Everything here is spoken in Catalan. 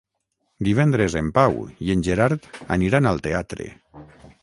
Divendres en Pau i en Gerard aniran al teatre.